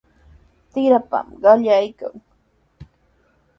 Trirapami qallaykan.